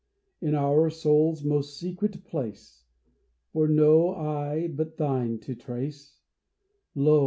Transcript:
In our soul's most secret place, For no eye but thine to trace, Lo